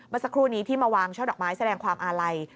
สักครู่นี้ที่มาวางช่อดอกไม้แสดงความอาลัย